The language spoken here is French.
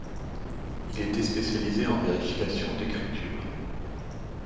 Il était spécialisé en vérification d'écritures.